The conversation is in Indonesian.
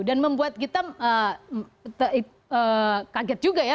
dan membuat kita kaget juga ya